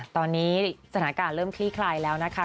ตอนนี้สถานการณ์เริ่มคลี่คลายแล้วนะคะ